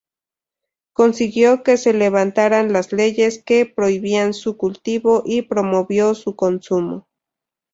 Consiguió que se levantaran las leyes que prohibían su cultivo y promovió su consumo.